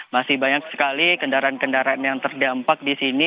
masih banyak sekali kendaraan kendaraan yang terdampak di sini